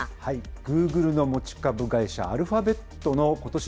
グーグルの持ち株会社、アルファベットのことし